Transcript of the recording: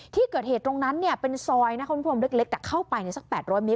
ที่เกิดเหตุตรงนั้นเป็นซอยมันพร้อมเล็กแต่เข้าไปในสัก๘๐๐เมตร